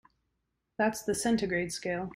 That's the centigrade scale.